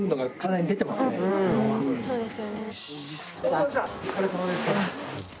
お疲れさまでした。